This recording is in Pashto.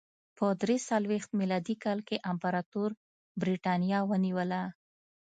په درې څلوېښت میلادي کال کې امپراتور برېټانیا ونیوله